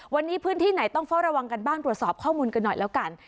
วันนี้พื้นที่ไหนต้องเฝ้าระวังกันบ้างตรวจสอบข้อมูลกันหน่อยแล้วกัน